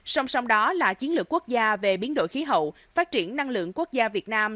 song song đó là chiến lược quốc gia về biến đổi khí hậu phát triển năng lượng quốc gia việt nam